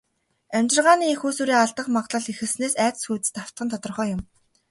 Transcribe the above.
Амьжиргааны эх үүсвэрээ алдах магадлал ихэссэнээс айдас хүйдэст автах нь тодорхой юм.